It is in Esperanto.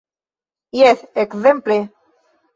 Jes; ekzemple?